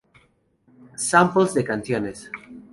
Samples de canciones